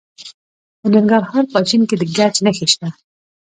د ننګرهار په اچین کې د ګچ نښې شته.